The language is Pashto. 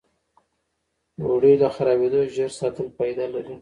ډوډۍ له خرابېدو ژر ساتل فایده لري.